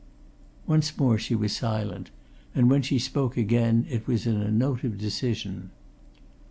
Once more she was silent, and when she spoke again it was in a note of decision.